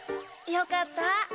よかった。